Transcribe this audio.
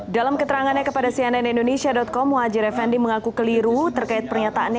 dalam keterangannya kepada cnn indonesia com muhajir effendi mengaku keliru terkait pernyataannya